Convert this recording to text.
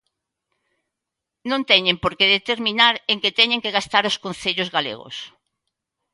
Non teñen por que determinar en que teñen que gastar os concellos galegos.